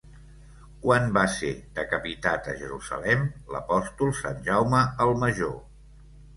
Quan va ser decapitat a Jerusalem l'apòstol Sant Jaume el Major?